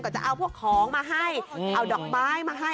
ก็จะเอาพวกของมาให้เอาดอกไม้มาให้